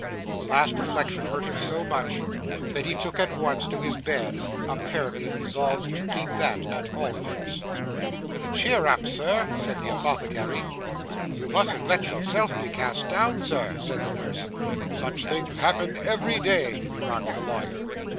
The last reflection hurt him so much, that he took at once to his bed; apparently resolved to keep that, at all events. 'Cheer up, sir!' said the apothecary. 'You mustn't let yourself be cast down, sir,' said the nurse. 'Such things happen every day,' remarked the lawyer.